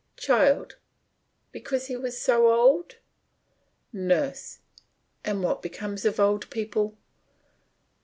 CHILD: Because he was so old. NURSE: What becomes of old people!